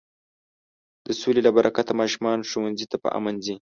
د سولې له برکته ماشومان ښوونځي ته په امن ځي.